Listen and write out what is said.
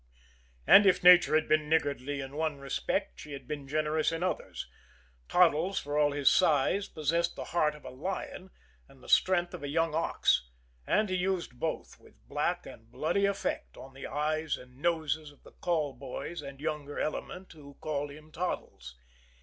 And if nature had been niggardly in one respect, she had been generous in others; Toddles, for all his size, possessed the heart of a lion and the strength of a young ox, and he used both, with black and bloody effect, on the eyes and noses of the call boys and younger element who called him Toddles.